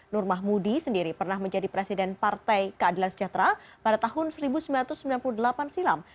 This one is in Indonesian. nur mahmudi sendiri pernah menjadi presiden partai keadilan sejahtera pada tahun seribu sembilan ratus sembilan puluh delapan silam